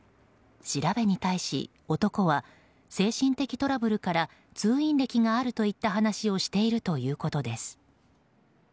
調べに対し男は、精神的トラブルから通院歴があるといった話をしているということです。